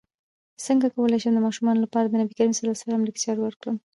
څنګه کولی شم د ماشومانو لپاره د نبي کریم ص لیکچر ورکړم